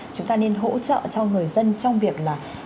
chúng ta nên hỗ trợ cho người dân trong việc là